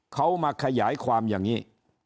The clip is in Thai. เขามาขยายความอย่างนี้